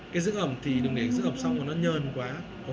cái giữ ẩm thì đừng để giữ ẩm xong mà nó nhờn quá